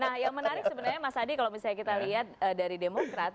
nah yang menarik sebenarnya mas adi kalau misalnya kita lihat dari demokrat